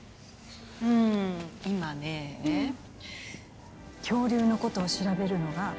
うん今ね恐竜のことを調べるのが仕事になった。